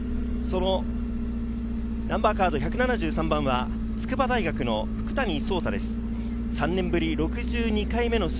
そのナンバーカード１７３番は筑波大学の福谷颯太です。